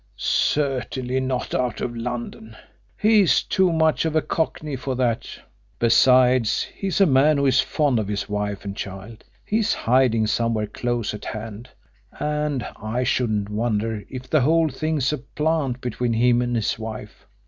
"Certainly not out of London. He's too much of a Cockney for that. Besides, he's a man who is fond of his wife and child. He's hiding somewhere close at hand, and I shouldn't wonder if the whole thing's a plant between him and his wife.